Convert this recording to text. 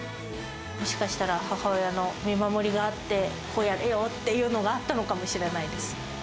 もしかしたら、母親の見守りがあって、こうやれよっていうのがあったのかもしれないです。